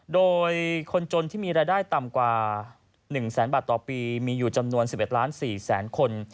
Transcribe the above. โดยคนจนที่มีรายได้ต่ำกว่าหนึ่งแสนบาทต่อปีมีอยู่จำนวนสิบเอ็ดล้านสี่แสนคน